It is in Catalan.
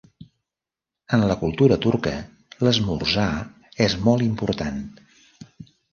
En la cultura turca l'esmorzar és molt important.